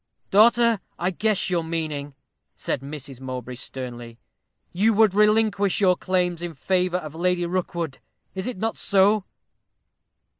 "Daughter, I guess your meaning," said Mrs. Mowbray, sternly. "You would relinquish your claims in favor of Lady Rookwood. Is it not so?"